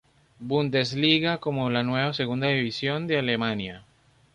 Bundesliga como la nueva segunda división de Alemania.